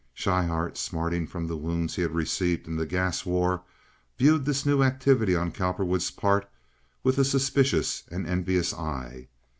Schryhart, smarting from the wounds he had received in the gas war, viewed this new activity on Cowperwood's part with a suspicious and envious eye.